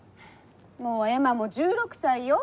もうエマも１６歳よ。